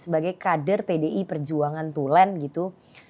sebagai kader pdi perjuangan tulen gitu